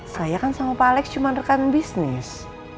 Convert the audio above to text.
saya kan sama pak alex cuma rekan bisnis